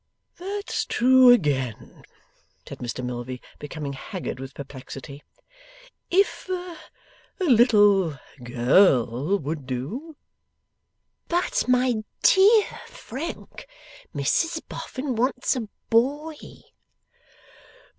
'That's true again,' said Mr Milvey, becoming haggard with perplexity. 'If a little girl would do ' 'But, my DEAR Frank, Mrs Boffin wants a boy.